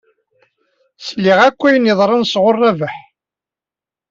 Sliɣ akk ayen yeḍran sɣur Rabaḥ.